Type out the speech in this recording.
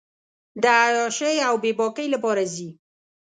د عیاشۍ اوبېباکۍ لپاره ځي.